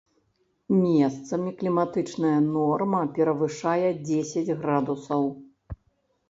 Месцамі кліматычная норма перавышае дзесяць градусаў.